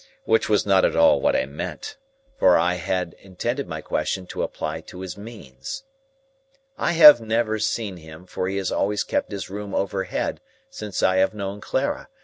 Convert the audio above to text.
Which was not at all what I meant, for I had intended my question to apply to his means. "I have never seen him, for he has always kept his room overhead, since I have known Clara.